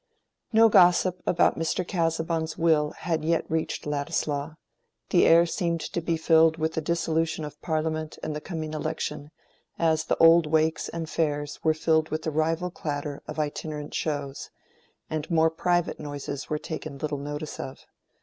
No gossip about Mr. Casaubon's will had yet reached Ladislaw: the air seemed to be filled with the dissolution of Parliament and the coming election, as the old wakes and fairs were filled with the rival clatter of itinerant shows; and more private noises were taken little notice of.